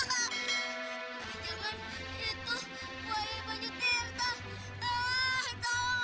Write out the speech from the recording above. jangan itu buaya maju delta